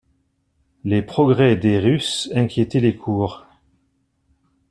Les progrès des Russes inquiétaient les cours.